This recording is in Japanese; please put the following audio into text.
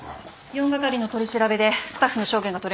四係の取り調べでスタッフの証言が取れました。